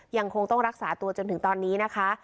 ยังคงต้องรักษาตัวจนถึงตอนนี้นะคะ